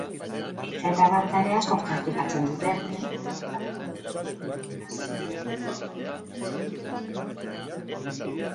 Ehiza eta arrantza ere askok praktikatzen dute.